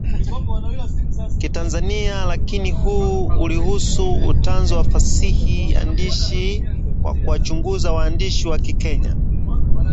Kitanzania lakini huu ulihusu utanzu wa fasihi andishi kwa kuwachunguza waandishi wa Kikenya